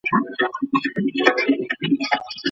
د کورنیو ملاتړ ولي مهم دی؟